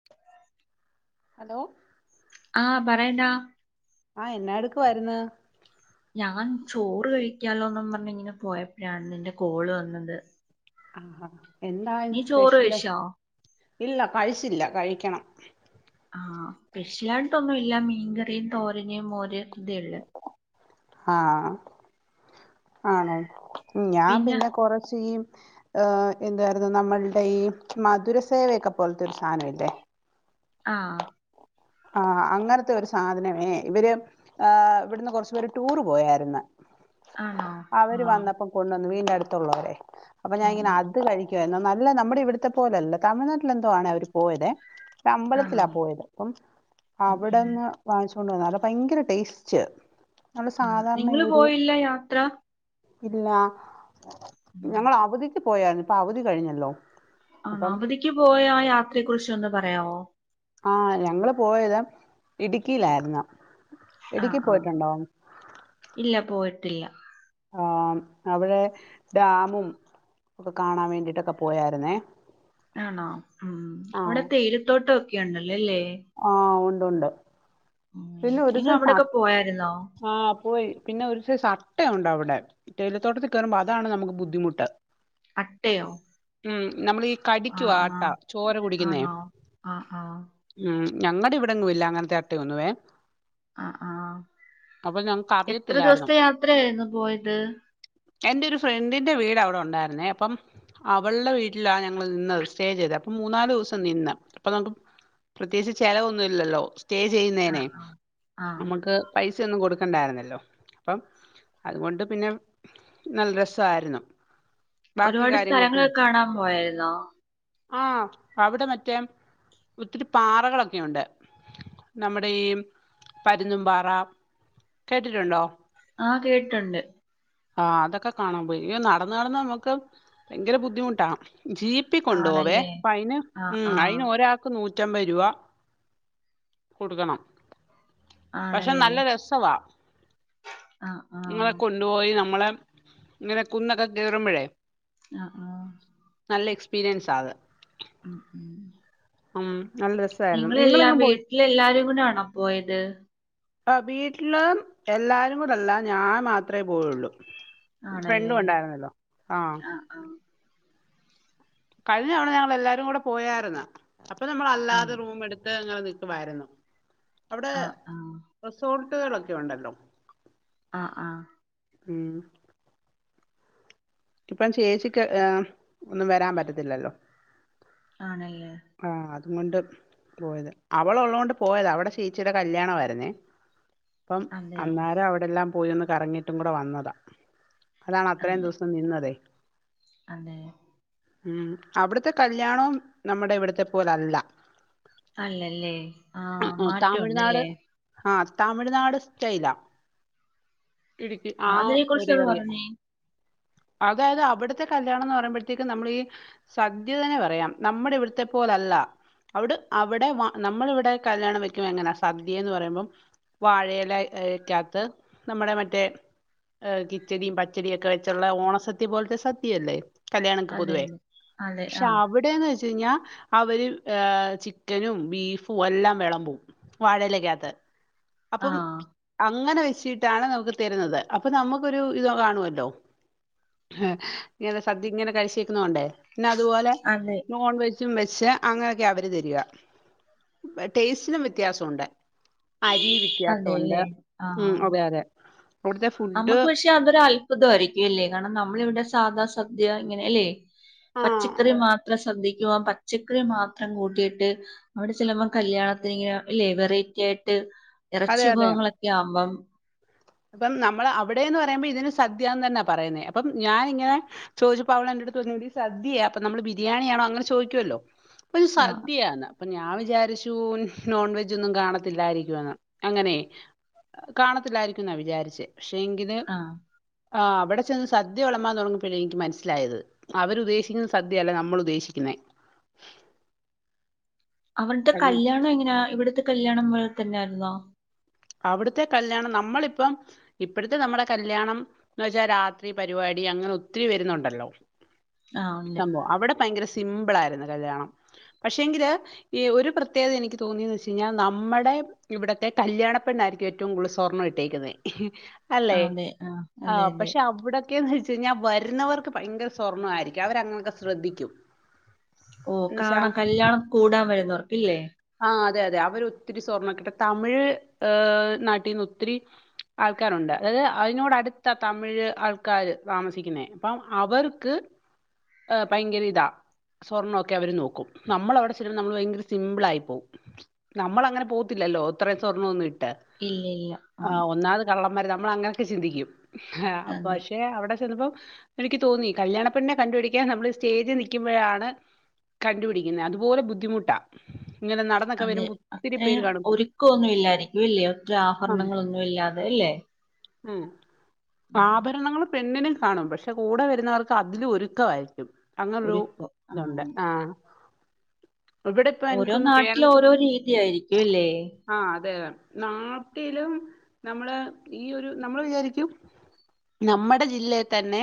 [inaudible] Hello.. ആഹ പറയെണ്ടാ. ആഹ എന്നാടുക്ക് വാര്ന്ന്? ഞാൻ ചോറ് കഴിക്കാലോന്നും പർണ് ഇങ്ങനെ പോയപ്പഴാണ് നിന്റെ കോള് വന്നത്. ആഹാ എന്തായ് നീ ചോറ് സ്പെഷ്യല് കഴിച്ചോ ഇല്ല കഴിച്ചില്ല കഴിക്കണം. ആഹ് സ്പെഷ്യല ആായിട്ടൊന്നുല്ല മീൻകറിയും തോരന് മോര് ഇതേ ള്ളൂ. ആഹ ആണോ? ഞാൻ പിന്നെ കൊറച്ച് ഈ ആ എന്തായിരുന്നു നമ്മൾടെ ഈ മധുരസേവയൊക്കെ പോൽത്തെ ഒരു സാനോഇല്ലേ? ആഹ. ആ അങ്ങൻത്തെ ഒരു സാധനമേ ഇവര് ആ ഇവിടുന്ന് കൊറച്ചുപേര് ടൂറ് പോയായ്ര്ന്ന്. ആണോ ആ അവര് വന്നപ്പം കൊണ്ടന്നു വീടിന്റെ അടുത്തുള്ളവരെ അപ്പൊ ഞാ ഉം, ഇങ്ങനെ ആ കഴിക്കുവ നല്ല നമ്മടെ ഇവിട്ത്തെ പോലല്ല തമിഴ്നാട്ടിൽ എന്തോ ആണ് അവര് പോയതെ. ആണോ അമ്പലത്തിലാ പോയത് അപ്പം അവിടന്ന് വാങ്ങിച്ചോണ്ട് വന്ന അത ഭയങ്കര ടേസ്റ്റ്. നമ്മള് സാധാരണ നിങ്ങൾ ഈ ഒരു പോയില്ല യാത്ര ഇല്ല ഉം, ഞങ്ങൾ അവധിക്ക് പോയരുന്നു ഇപ്പൊ അവധി കഴിഞ്ഞല്ലോ. അന്ന അപ്പം അവധിക്ക് പോയാ ആഹ് യാത്രയെക്കുറിച്ച് ഒന്ന് പറയാവോ? ആഹ് ഞങ്ങള് പോയത് ഇടുക്കിലായ്രുന്നു. ആഹ് ആഹ് ഇല്ല പോയിട്ടില്ല. ആഹ് അവ്ടേ ഡാമും ഒക്ക കാണാൻ വേണ്ടിട്ടൊക്ക പോയാര്ന്നേ. ആണോ ഉം അവ്ടെ തേയിലത്തോട്ടൊക്കെ ഒണ്ടല്ലൊലേ? ആഹ് ഉണ്ട് ഉണ്ട് പിന്നെ ഒര് നിങ്ങൾ സൈ സ അവിടെയൊക്കെ പോയായിരുന്നോ ആഹ് പോയി പിന്നെ ഒരു സൈസ് അട്ടയുണ്ടവ്ടെ. തേയിലത്തോട്ടത്തി കേറുമ്പൊ അതാണ് നമ്മക് ബുദ്ധിമുട്ട്. അട്ടയോ? ഉം നമ്മളീ കടിക്ക്വു ആഹ് അട്ട ചോര കുടിക്ക്ന്നെ- ആണോ ആഹ് ആഹ്. ഉം ഞങ്ങടിവിടെങ്ങും ഇല്ല അങ്ങൻത്തെ അട്ട ഒന്നുവേ ആഹ് ആഹ് ഞങ്ങക്ക് എത്ര അറിയത്തില്ലായിരുന്നു ദിവസ്ത്തെ യാത്രയായിരുന്നു പോയത്? എന്റെ ഒരു ഫ്രണ്ടിന്റെ വീട് അവടെ ഉണ്ടായിര്ന്നേ അപ്പം അവൾടെ വീട്ടിലാ ഞങ്ങള് നിന്നത് സ്റ്റേ ചെയ്തെ അപ്പൊ മൂന്നാല് ദിവസം നിന്ന് അപ്പൊ നമക്ക് പ്രത്യേകിച്ച് ചെലവൊന്നും ഇല്ലല്ലൊ സ്റ്റേ ആഹ് ചെയ്യ്ന്നേനെ ആഹ് ആഹ് നമുക്ക് പൈസ ഒന്നും കൊടുക്കണ്ടായിരുന്നല്ലോ അപ്പം അതുകൊണ്ട് പിന്നെ നല്ല രസായ്ര്ന്നു. ഒരുപാട് സ്ഥലങ്ങള് ഒക്കെ കാണാൻ പോയായിരുന്നോ? ആ അവിടെ മറ്റേം ഇത്തിരി പാറകളൊക്കെയുണ്ട്. നമ്മുടെ ഈ പരുന്നും പാറ കേട്ടിട്ടുണ്ടോ? ആ കേട്ടൊണ്ട്. ആഹ് അതൊക്ക കാണാ പോയി യ്യോ നടന്ന് നടന്ന് നമക്ക് ഭയങ്കര ബുദ്ധിമുട്ടാ ജീ പ്പി കൊണ്ടോവെ ആണല്ലേ പൈന് ആഹ് ആഹ് ഐന് ഒരാക് നൂറ്റമ്പത് രൂപ കൊട്ക്കണം. പക്ഷെ ആണല്ലേ നല്ല രസവ ആഹ് ഇങ്ങനെ ആഹ് കു കൊണ്ടുപോയി നമ്മളെ ഇങ്ങനെ കുന്നൊക്ക കേറുമ്പഴേ ആഹ് ആ. നല്ല എക്സ്പീരിയൻസാത് ഉം ഉം. ഉം നല്ല രസ നിങ്ങളെല്ലാം വീട്ടിലെല്ലാരും കുടാണൊ പോയത് ആ വീട്ടില് എല്ലാരുംകൂടല്ലാ ഞാൻ മാത്രേ പോയൊള്ളൂ. ഫ്രണ്ടും ആണല്ലേ ഒണ്ടായിരുന്നല്ലോ ആഹ് ആഹ് കഴിഞ്ഞതവണ ഞങ്ങളെല്ലാരും കൂടെ പോയാരുന്ന് അപ്പൊ നമ്മള് അല്ലാതെ അതെ റൂമെടുത്ത് തെ ങ്ങള് നിൽക്കുമായിരുന്നു അവിടെ ആഹ് ആഹ് റിസോർട്ടുകളൊക്കെ ഉണ്ടല്ലോ ആഹ് ആഹ് ഉം ഇപ്പം ചേച്ചിക്ക് എഹ് ഒന്നും വരാൻ പറ്റത്തില്ലല്ലോ ആണല്ലേ ആ അതും കൊണ്ട് പോയത് അവളൊള്ളോണ്ട് പോയതാ അവടെ ചേച്ചീടെ കല്യാണവാരുന്നേ അപ്പം അതെയോ അന്നേരം അവിടെ എല്ലാം പോയൊന്ന് കറങ്ങിട്ടും കൂടെ വന്നതാ അതാണ് അത്രേം അതെ ദിവസ് ഇപ്പം നിന്നതേ അതെ ഉം അവിടുത്തെ കല്യാണം നമ്മുടെ ഇവിടുത്തെ പോലല്ല അല്ലല്ലേ ആ തമിഴ്നാട് മാറ്റവുണ്ടല്ലേ ആഹ് തമിഴ്നാട് സ്റ്റൈയിലാ ഇടുക്കി ആ അതിനെ കുറിച്ചൊന്ന് ഒരേറിയ പറഞ്ഞേ അതായത് അവിടുത്തെ കല്യാണം എന്ന് പറയുമ്പോഴത്തേക്കും നമ്മള് ഈ സദ്യ തന്നെ പറയാം നമ്മുടെ ഇവിടുത്തെ പോലെ അല്ല അവിടെ അ അവിടെ നമ്മളിവിടെ കല്യാണം വെക്കുമ്പോ എങ്ങനാ സദ്യയെന്ന് പറയുമ്പം വാഴയിലക്കാത്ത് നമ്മുടെ മറ്റേ ഏഹ് കിച്ചടീം പച്ചടിയൊക്കെ വെച്ചുള്ള ഓണസദ്യ പോലത്തെ സദ്യ അല്ലേ കല്യാണങ്ങക്ക് അതെ പൊതുവേ അതെ അതെ പക്ഷെ ആഹ് അവിടേന്ന് വെച്ച് കഴിഞ്ഞാ അവര് ഏ ചിക്കനും ബീഫും എല്ലാം വെളമ്പും വാഴയിലക്കകത്ത് അപ്പം ആഹ് അങ്ങനെ വെച്ചിട്ടാണ് നമുക്ക് തരുന്നത് അപ്പൊ നമുക്കൊരു ഇത് കാണുവല്ലോ ഇനി അത് സദ്യ ഇങ്ങനെ കഴിച്ചേക്കുന്ന കൊണ്ടേ പിന്നെ അതുപോലെ അതെ നോൺ വെജും വെച്ച് അങ്ങനെയൊക്കെയാ അവര് തരിക ടേസ്റ്റിനും വ്യത്യാസം ഉണ്ട് അരി വ്യത്യാസം ഉണ്ട് അതെല്ലേ ആഹ് ഉം അതെ അതെ അവിടുത്തെ ഫുഡ് നമുക്ക് പക്ഷെ അതൊരു അത്ഭുതവായിരിക്കും അല്ലേ കാരണം നമ്മളിവിടെ സാധാ സദ്യ ഇങ്ങനെ അല്ലേ ആ പച്ചക്കറി മാത്രം സദ്യക്കുവാ പച്ചക്കറി മാത്രം കൂട്ടിയിട്ട് അവിടെ ചെല്ലുമ്പം കല്യാണത്തിന് ഇങ്ങനെ ഇല്ലേ വെറയിറ്റി ആയിട്ട് അതെ ഇറച്ചി അതെ വിഭവങ്ങളൊക്കെ ആകുമ്പം അപ്പം നമ്മൾ അവിടെയെന്ന് പറയുമ്പോ ഇതിന് സദ്യാന്ന് തന്നെയാ പറയുന്നേ അപ്പം ഞാനിങ്ങനെ ചോദിച്ചപ്പോ അവളെന്റെടുത്ത് പറഞ്ഞു എടി സദ്യയാ അപ്പ നമ്മള് ബിരിയാണിയാണോ അങ്ങനെ ചോദിക്കുവല്ലോ ഒരു ആഹ് സദ്യയാന്ന് അപ്പൊ ഞാൻ വിചാരിച്ചു നോൺ വെജൊന്നും കാണത്തില്ലായിരിക്കുവെന്ന് അങ്ങനെയെ കാണത്തില്ലായിരിക്കൂന്നാ വിചാരിച്ചേ പക്ഷെങ്കില് ആഹ് ആഹ് അവിടെ ചെന്ന് സദ്യ വിളമ്പാൻ തുടങ്ങിയപ്പഴാ എനിക്ക് മനസ്സിലായത് അവര് ഉദ്ദേശിക്കുന്ന സദ്യയല്ല നമ്മള് ഉദ്ദേശിക്കുന്നേ അവരുടെ അങ്ങനെ കല്യാണം എങ്ങനെയാ ഇവിടുത്തെ കല്യാണം പോലെ തന്നെയായിരുന്നോ അവിടുത്തെ കല്യാണം നമ്മളിപ്പം ഇപ്പഴത്തെ നമ്മുടെ കല്യാണം എന്ന് വെച്ചാ രാത്രി പരിപാടി അങ്ങനെ ഒത്തിരി വരുന്നുണ്ടല്ലോ ആഹ് ഉണ്ട് സംഭവം അവിടെ ഭയങ്കര സിമ്പിൾ ആയിരുന്നു കല്യാണം പക്ഷെങ്കില് ഈ ഒരു പ്രത്യേകത എനിക്ക് തോന്നിയെന്ന് വെച്ച് കഴിഞ്ഞാൽ നമ്മുടെ ഇവിടുത്തെ കല്യാണ പെണ്ണായിരിക്കും ഏറ്റവും കൂടുതൽ സ്വർണം ഇട്ടേക്കുന്നത് അല്ലെ അതെ ആഹ് ആ അതെ അതെ പക്ഷെ അവിടെ ഒക്കെന്ന് വെച്ച് കഴിഞ്ഞാൽ വരുന്നവർക്ക് ഭയങ്കര സ്വർണവായിരിക്കും അവരങ്ങനെയൊക്കെ ശ്രദ്ധിക്കും ഓ എന്ന് വെച്ചാ കാണാ കല്ല്യാണം കൂടാൻ വരുന്നവർക്കില്ലേ ആഹ് അതെ അതെ അവര് ഒത്തിരി സ്വർണ്ണവൊക്കെ ഇട്ട് തമിഴ് ആഹ് നാട്ടീന്ന് ഒത്തിരി ആൾക്കാരുണ്ട് അതായത് അതിനോട് അടുത്താ തമിഴ് ആൾക്കാര് താമസിക്കുന്നേ അപ്പം അവർക്ക് ഭയങ്കര ഇതാ സ്വർണ്ണവൊക്കെ അവര് നോക്കും നമ്മൾ അവിടെ ചെല്ലുപോ നമ്മള് ഭയങ്കര സിമ്പിള് ആയി പോവും നമ്മളങ്ങനെ പോവത്തില്ലല്ലോ ഇത്രയും സ്വർണം ഒന്നും ഇട്ട് ഇല്ല ഇല്ല ആഹ് ഒന്നാമത് കള്ളന്മാര് നമ്മള് അങ്ങനെയൊക്കെ ചിന്തിക്കും അതെ പക്ഷെ അവിടെ ചെന്നപ്പോ എനിക്ക് തോന്നി കല്യാണ പെണ്ണിനെ കണ്ടുപിടിക്കാൻ നമ്മള് സ്റ്റേജിൽ നിക്കുമ്പോഴാണ് കണ്ടുപിടിക്കുന്നെ അതുപോലെ ബുദ്ധിമുട്ടാ ഇങ്ങനെ നട അതെ അത്രയും ഒരുക്കവൊന്നും ഇല്ലായിരിക്കും ഇല്ലേ ഒട്ടും ആഭരണങ്ങളൊന്നും ഇല്ലാതെ അല്ലേ ആഹ് ആഭരണങ്ങള് പെണ്ണിനും കാണും പക്ഷെ കൂടെ വരുന്നവർക്ക് അതില് ഒരുക്കമായിരിക്കും. അങ്ങനെരു ഇതുണ്ട് ആഹ് ഇവിടെപ്പ എനിക്ക് തോന്നു ട്ടില് ഓരോ രീതിയായിരിക്കും അല്ലെ, ആഹ്, അതെ അതെ നാട്ടിലും നമ്മള് ഈ ഒരു നമ്മള് വിചാരിക്കും നമ്മടെ ജില്ലേ തന്നെ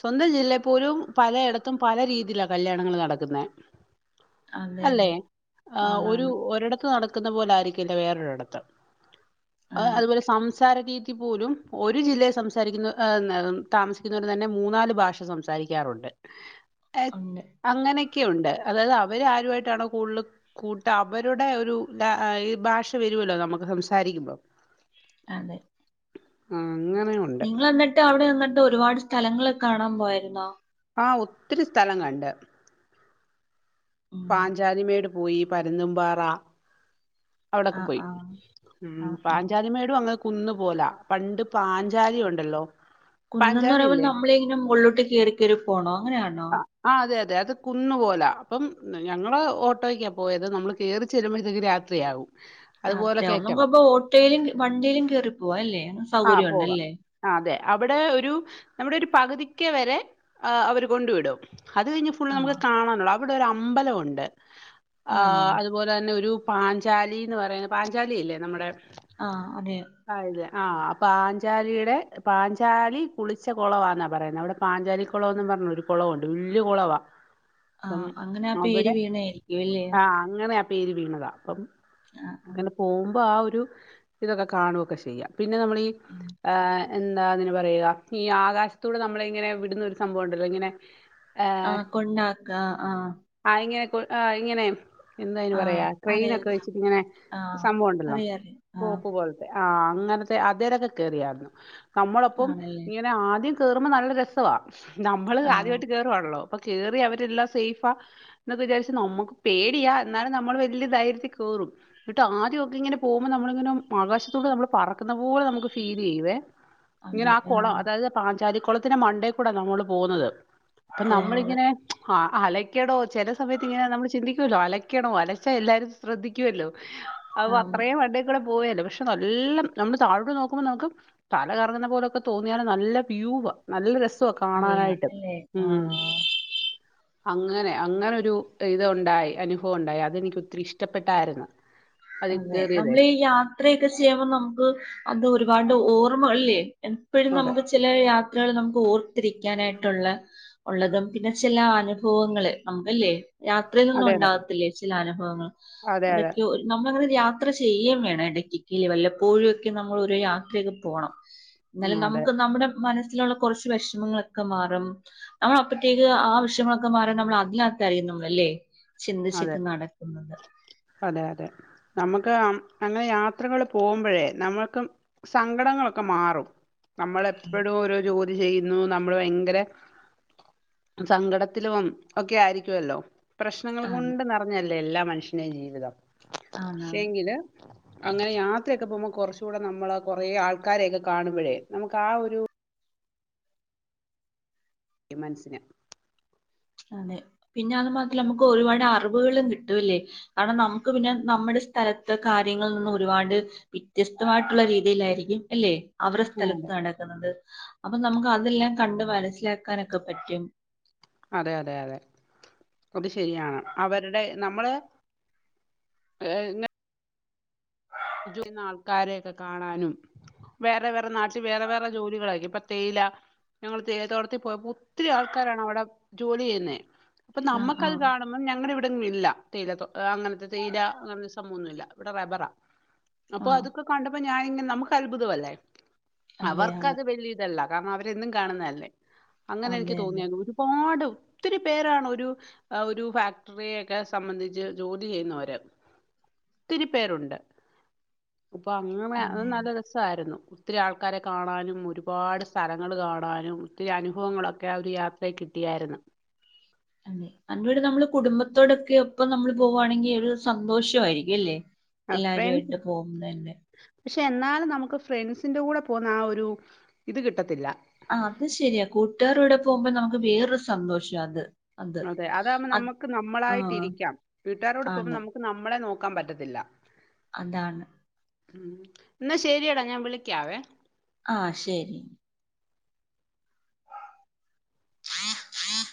സ്വന്തം ജില്ലയിൽ പോലും പലയിടത്തും പല രീതിയിലാണ് കല്ല്യാണങ്ങൾ നടക്കുന്നത്. അതെ, അതെ ആഹ്, ഒരു ആണാണ് ഒരിടത്ത് നടക്കുന്ന പോലെ ആയിരിക്കില്ല വേറൊരിടത്ത്. ആഹ്, ആണ് അതുപോലെ സംസാര രീതി പോലും ഒരു ജില്ലയിൽ സംസാരിക്കുന്ന ഏഹ്, ന്നെ താമസിക്കുന്നവർ തന്നെ മൂന്നാല് ഭാഷ സംസാരിക്കാറുണ്ട്. എ ഉണ്ട് അങ്ങനെയൊക്കെയുണ്ട് അതായത് അവര് ആരുമായിട്ടാണ് കൂടുതൽ കൂട്ട അവരുടെ ഒരു ല അ ഈ ഭാഷ വരൂല്ലോ നമുക്ക് സംസാരിക്കുമ്പം. അതെ ആഹ്, അങ്ങനെ ഉ നിങ്ങൾ എന്നിട്ട് അവിടെ നിന്നിട്ട് ഒരുപാട് സ്ഥലങ്ങള് കാണാൻ പോയിരുന്നോ? ആഹ്, ഒത്തിരി സ്ഥലം കണ്ട്. ഉം പാഞ്ചാലിമേട് പോയി പരുന്നും പാറ അവിടൊക്കെ ആഹ് പോയി, ആഹ് ഉം ആഹ് ആഹ് പാഞ്ചാലി മേടു അങ്ങ് കുന്നു പോലെ പണ്ട് പാഞ്ചാലി ഉണ്ടല്ലോ കുന്നന്ന് പാഞ്ചാലി പറയുമ്പോൾ ഇല്ലേ നമ്മള ഇങ്ങനെ മോള്ലോട്ട് കയറി കയറി പോണോ അങ്ങനെയാണോ? ആ അതെ അതെ അതു കുന്ന് പോലെ, അപ്പം ഞങ്ങള് ഓട്ടോയ്ക്ക പോയത് നമ്മള് കയറി ചെല്ലുമ്പത്തേക്ക് രാ ത്രിയാവും. രാത്രിയാവും നമ്മക്ക് അപ്പൊ ഓട്ടോയിലും വണ്ടിയിലും കേറിപ്പോവാ അല്ലേ? ആ സൗകര്യം പോവാം ഉണ്ടല്ലേ അതെ അവിടെ ഒരു നമ്മുടെ ഒരു പകുതിക്ക വരെ ആഹ് അവര് കൊണ്ടു വിടും, അത് കഴിഞ്ഞ ഫു ള്ള് നമുക്ക് ആഹ് കാണാനുള്ള, അവിടെ ഒരു അമ്പലം ഉണ്ട്, ആണോ ആഹ് അതു പോലെ തന്നെ ഒരു പാഞ്ചാലി എന്ന് പറയുന്നത്, പാഞ്ചാലി ഇല്ലേ നമ്മുടെ ആഹ്, അതെയോ അറിയില്ല, ആഹ് പാഞ്ചാലിയുടെ പാഞ്ചാലി കുളിച്ച കുളവാന്ന പറയുന്നത് അവിടെ പാഞ്ചാലി കുളം എന്ന് പറഞ്ഞു ഒരു കുളവുണ്ട് വലിയ കുളവാ. അപ്പം ആഹ്, അങ്ങനെ ആ പേര് അവിടെ വീണായിരിക്കു അല്ലെ? ആ അങ്ങനെ ആ പേര് വീണതാ, അപ്പം ആഹ് ആഹ് അങ്ങനെ പോവുമ്പോ ആ ഒരു ഇതൊക്കെ കാണു ഒക്കെ ചെയ്യാം, പിന്നെ നമ്മള് ഈ ഉം. ഏഹ്, എന്താ അതിന് പറയുക ഈ ആകാശത്തോടെ നമ്മള് ഇങ്ങനെ വിടുന്ന ഒരു സംഭവം ഉണ്ടല്ലോ ഇങ്ങനെ ആ കൊണ്ടാക്ക്‌, ആഹ് ആ ഇങ്ങനെ കൊ ആ ഇങ്ങനെ എന്ത് അയിനു ആഹ് പറയാ ക്രെയിൻ അറിയ ഒക്കെ വെച്ചിട്ട് ഇങ്ങനെ ആഹ് സംഭവം ഉണ്ടല്ലോ അറിയ അറിയാം ആഹ് റോപ്പ് പോലെ ആഹ്, അങ്ങനത്തെ അതേരൊക്കെ കേറിയായിരുന്നു, നമ്മളൊപ്പം ആണല്ലേ ഇങ്ങനെ ആദ്യം കേറുമ്പോ നല്ല രസവാ നമ്മള് ആഹ് ആദ്യമായിട്ട് കേയറുവാണല്ലോ അപ്പൊ കേറി അവരെല്ലാം സേഫാ ണ് എന്നൊക്കെ വിചാരിച്ച് നമ്മക്ക് പേടിയാ എന്നാലും നമ്മള് വലിയ ധൈര്യത്തില് കേറും. ഇങ്ങട്ട് ആദ്യ ഒക്കെ ഇങ്ങനെ പോവുമ്പോ നമ്മള്ങ്ങനെ ആകാശ ത്ത്ക്ക്‌ നമ്മള് പറക്കുന്ന പോലെ നമുക്ക് ഫീൽ ചെയ്യുവേ, ഇങ്ങനെ അതെ ആ കുളം ആഹ് അതായത് പാഞ്ചാലിക്കുളത്തിന്റെ മണ്ടേക്കൂട നമ്മള് പോവ്ന്നത് അപ്പൊ പോകുന്നത് നമ്മളിങ്ങനെ ആഹ് അലയ്ക്കടോ ചില സമയത്ത് ഇങ്ങനെ നമ്മള് ചിന്തിക്കുവല്ലോ അലയ്ക്കണോ അലച്ചാൽ എല്ലാരും ശ്രദ്ധി ക്കുവല്ലോ അപ്പൊ ആഹ് അത്രയും മണ്ടേകൂടെ പോയല്ലോ പക്ഷെ ഇത് നല്ല നമ്മള് താഴോട്ട് നോക്കുമ്പോ നമുക്ക് തല കറങ്ങുന്ന പോലൊക്കെ തോന്നിയാല് നല്ല വ്യൂവ് നല്ല രസവാ അറിയ കാണാനായിട്ട് അല്ലേ ഉം ആഹ് അങ്ങനെ അങ്ങനൊരു ഇത് ഒണ്ടായി അനുഭവം ഉണ്ടായി അതെനിക്ക് ഒത്തിരി ഇഷ്ടപ്പെട്ടായിരുന്നു അതിൽ അതെ കയറിയതേ നമ്മള് ഈ യാത്രയൊക്കെ ചെയ്യുമ്പോൾ നമുക്ക് അത് ഒരുപാട്ഓർ മ്മകളില്ലേ എപ്പഴും അതെ നമുക്ക് ചില യാത്രകൾ നമുക്ക് ഓർത്തിരിക്കാനായിട്ടുള്ള ഒള്ളതും പിന്നെ ചില അനുഭവങ്ങള് സംഭല്ലേ യാത്രയിലൊന്നും അതെ അതെ ഒണ്ടാവത്തില്ലേ ചില അനുഭവങ്ങള് അതെ അതെ അതൊക്കെ ഒരു നമ്മള് അങ്ങനൊരു യാത്ര ചെയ്യേ വേണം ഇടക്ക്ക്കില് വല്ലപ്പോഴും ഒക്കെ നമ്മള് ഓരോ യാത്രയൊക്കെ പോണം [inaudible] എന്നാല് അതെ നമുക്ക് നമ്മുടെ മനസ്സിലുള്ള കുറച്ച് വിഷമങ്ങളൊക്കെ മാറും നമ്മളപ്പഴത്തേക്ക് ആ വിഷമങ്ങളൊക്കെ മാറി നമ്മള് അതിനകത്ത് അറിയുന്നുള്ളേല്ലേ അതെ ചിന്തിച്ചിക്ക് നടക്കുന്നത് അതെ അതെ നമുക്ക് അങ്ങനെ യാത്രകള് പോമ്പോഴേ നമ്മുക്ക് സങ്കടങ്ങളൊക്കെ മാറും നമ്മളപ്പെഴോരോ ജോ ഇത് ചെയ്യുന്നു നമ്മള് ഭയങ്കര സങ്കടത്തിലും ഒക്കെ ആയിരിക്കുവല്ലോ പ്രശനങ്ങള് ആണ് കൊണ്ട് നെറഞ്ഞല്ലേ എല്ലാ മനുഷ്യന്റെയും ജീവിതം ആണ് പക്ഷെങ്കില് അങ്ങനെ യാത്രയൊക്കെ പോകുമ്പോ കുറച്ചൂടെ നമ്മള് കൊറേ ആൾക്കാരെയൊക്കെ കാണുമ്പോഴേ നമുക്ക് ആ ഒരു ക്കും മനസ്സിന് അതെ പിന്നെ അത് മാത്രല്ലാ നമുക്ക് ഒരുപാട് അറിവുകളും കിട്ടൂല്ലേ ആണ് നമുക്ക് പിന്നെ നമ്മടെ സ്ഥലത്തെ കാര്യങ്ങളിൽ നിന്ന് ഒരുപാട് വിത്യസ്തമായിട്ടുള്ള രീതിയിലായിരിക്കും അല്ലെ അവിടെ സ്ഥലത്ത് അതെ നടക്കുന്നത് അപ്പൊ നമുക്ക് അതെല്ലാം കണ്ട് മനസ്സിലാക്കാനൊക്കെ പറ്റും അതെ അതെ അതെ അത് ശരിയാണ് അവരുടെ നമ്മള് ഏ ഇന് [inaudible] [unintelligible] ആൾക്കാരെയൊക്കെ കാണാനും വേറെ വേറെ നാട്ടില് വേറെ വേറെ ജോലികളായിരിക്കും ഇപ്പൊ തേയില ഞങ്ങള് തേയില തോട്ടത്തി പോയപ്പോ ഒത്തിരി ആൾക്കാരാണ് അവിടെ ജോലി ചെയ്യുന്നെ അപ്പൊ ആ ആ നമ്മുക്കത് കാണു മ്പം ഞങ്ങടെ ഇവിടൊന്നും ഇല്ല തേയിലതോ അങ്ങനത്തെ തേയില അങ്ങനെത്തെ സംഭവന്നൂല്ല ഇവിടെ റബറാ ആ അപ്പൊ അതൊക്കെ കണ്ടപ്പോ ഞാനിങ്ങനെ നമുക്ക് അത്ഭുതം അല്ലേ അവർക്ക് അതെയാണ് അത് വലിയ ഇതല്ല കാരണം അവര് എന്നും കാണുന്നതല്ലേ അങ്ങനെ എനിക്ക് അതെ അതെ തോന്നിയതും പാട് ഒത്തിരി പേരാണ് ഒരു ആ ഒരു ഫാക്ടറിയൊക്കെ സംബന്ധിച്ച് ജോലി ചെയ്യുന്നവര് ഒത്തിരി പേരുണ്ട് അപ്പൊ അങ്ങനെ അത് അതെ നല്ല രസായിരുന്നു ഒത്തിരി ആൾക്കാരെ കാണാനും ഒരുപാട് സ്ഥലങ്ങള് കാണാനും ഒത്തിരി അനുഭവങ്ങളൊക്കെ ആ ഒരു യാ ത്രേ കിട്ടിയായിരുന്നു അതെ അന്റെടെ നമ്മള് കുടുംബത്തോടൊക്കെ ഒപ്പം നമ്മള് പോവാണെങ്കി ഒരു സന്തോഷവായിരിക്കും അല്ലേ ആഹ്, എല്ലാരു ഫ്രണ്ട്സ് ആയിട്ട് പോകുന്നതന്നെ പക്ഷെ എന്നാലും നമുക്ക് ഫ്രണ്ട്സിന്റെ കൂടെ പോകുന്ന ആ ഒരു ഇത് കിട്ടത്തില്ല ആ അത് ശെരിയാ കൂട്ടുകാറുടെ പോവുമ്പോ നമുക്ക് വേറൊരു സന്തോഷ അത് അത് അതെ അതാകുമ്പോ അത് നമുക്ക് ആ നമ്മളായിട്ട് ഇരിക്കാം വീട്ടുകാരുടെ ആണ് പോമ്പോം നമുക്ക് നമ്മളെ നോക്കാൻ പറ്റത്തില്ല അതാണ് എന്നാ ശരിയെടാ ഞാൻ വിളിക്കാവേ ആ ശരി ആഹ് ആഹ്